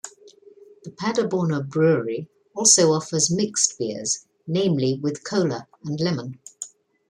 The Paderborner brewery also offers mixed beers, namely with Cola and Lemon.